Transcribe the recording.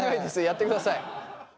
やってください。